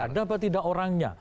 kenapa tidak orangnya